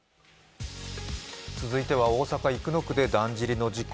続いては大阪生野区でだんじりの事故。